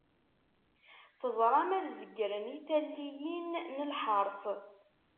Teẓram ad zeggren i talliyin n lḥers.